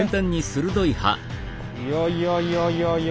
いやいやいやいやいや。